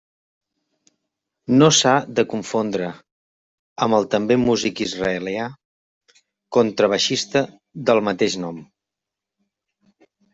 No s'ha de confondre amb el també músic israelià contrabaixista del mateix nom.